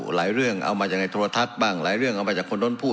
หลายเรื่องเอามาจากในโทรทัศน์บ้างหลายเรื่องเอามาจากคนนู้นพูด